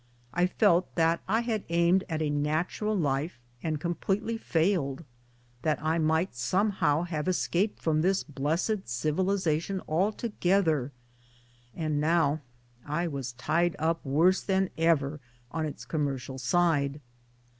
I felt that I had aimed at a natural life and completely failed that I might somehow have escaped from this blessed civilization altogether and now I was tied up worse than ever, on its commercial side.